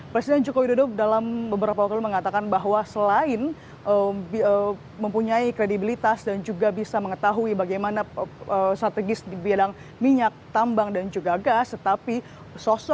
presiden jokowi dodo dalam beberapa waktu lalu mengatakan bahwa selain mempunyai kredibilitas dan juga bisa mengetahui bagaimana strategis di bidang minyak tambang dan juga gas